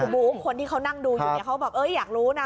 บู๊คนที่เขานั่งดูอยู่เนี่ยเขาบอกอยากรู้นะ